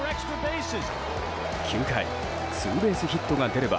９回、ツーベースヒットが出れば